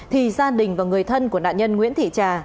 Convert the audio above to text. thì gia đình và người thân của nạn nhân nguyễn thị trà